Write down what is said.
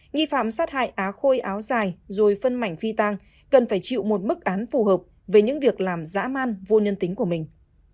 nghi phạm sát hại á khôi áo dài rồi phân mảnh phi tang cần phải chịu một mức án phù hợp về những việc làm dã man vô nhân tính của mình